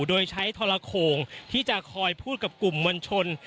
โดยใช้ทรโขงที่จะคอยพูดกับกลุ่มมวลชน